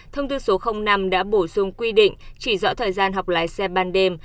thông tư số năm đã bổ sung quy định chỉ rõ thời gian học lái xe ban đêm